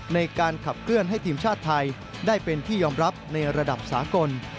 ในการขับเคลื่อนให้ทีมชาติไทยได้เป็นที่ยอมรับในระดับสากล